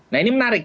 nah ini menarik